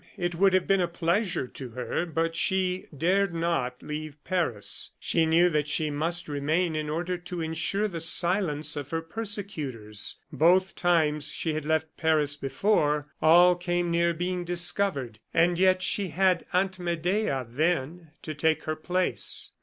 It would have been a pleasure to her, but she dared not leave Paris. She knew that she must remain in order to insure the silence of her persecutors. Both times she had left Paris before, all came near being discovered, and yet she had Aunt Medea, then, to take her place.